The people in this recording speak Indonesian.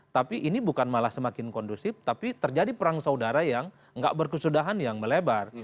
tapi ini bukan malah semakin kondusif tapi terjadi perang saudara yang nggak berkesudahan yang melebar